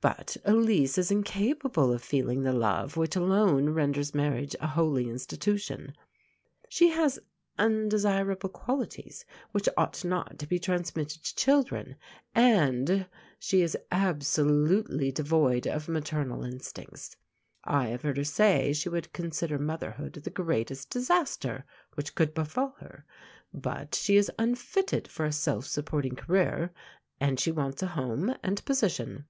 But Elise is incapable of feeling the love which alone renders marriage a holy institution. She has undesirable qualities which ought not to be transmitted to children, and she is absolutely devoid of maternal instincts. I have heard her say she would consider motherhood the greatest disaster which could befall her. But she is unfitted for a self supporting career, and she wants a home and position.